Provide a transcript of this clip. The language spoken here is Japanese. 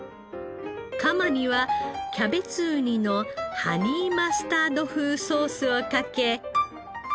カマにはキャベツウニのハニーマスタード風ソースをかけ。